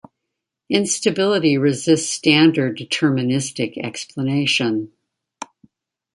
Instability resists standard deterministic explanation.